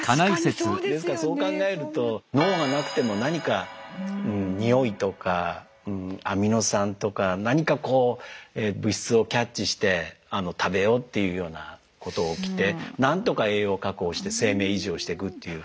ですからそう考えると脳がなくても何か匂いとかアミノ酸とか何かこう物質をキャッチして食べようっていうようなこと起きて何とか栄養を確保して生命維持をしていくっていう。